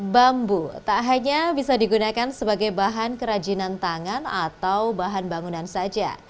bambu tak hanya bisa digunakan sebagai bahan kerajinan tangan atau bahan bangunan saja